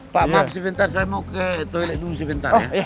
pak maaf sebentar saya mau ke toilet dulu sebentar ya